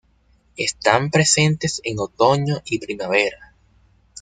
Están presentes en otoño y primavera.